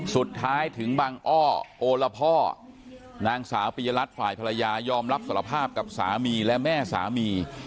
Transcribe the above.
สุดท้ายถึงบังอ้อโอละพ่อนางสาวปียรัฐฝ่ายภรรยายอมรับสารภาพกับสามีและแม่สามี